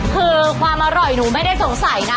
คือความอร่อยหนูไม่ได้สงสัยนะ